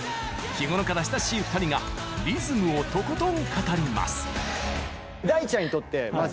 日頃から親しい２人がリズムをとことん語ります。